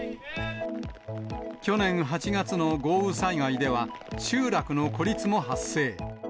去年８月の豪雨災害では、集落の孤立も発生。